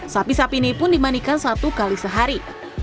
sapi sapi ini pun dimanikan satu kali sehari